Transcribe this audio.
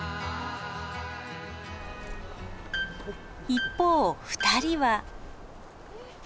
一方二人は。